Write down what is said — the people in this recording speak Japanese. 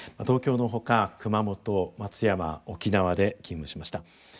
東京のほか熊本松山沖縄で勤務しました。